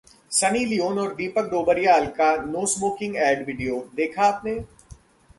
Sunny Leone और दीपक डोबरियल का no smoking ad video देखा आपने